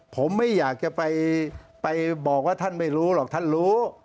ผมไม่อยากจะไปบอกว่าท่านไม่รู้หรอกท่านรู้